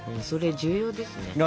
それ重要ですね。